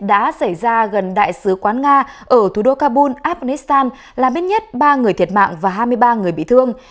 vụ đánh bom xe liều chết đã xảy ra gần đại sứ quán nga ở thủ đô kabul afghanistan làm biết nhất ba người thiệt mạng và hai mươi ba người bị thương